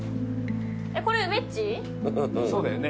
そうだよね。